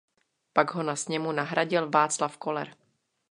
Pak ho na sněmu nahradil Václav Koller.